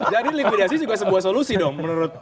jadi likuidasi juga sebuah solusi dong menurut anda